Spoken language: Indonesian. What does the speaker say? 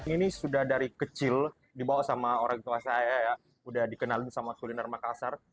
ini sudah dari kecil dibawa sama orang tua saya sudah dikenal sama kuliner makassar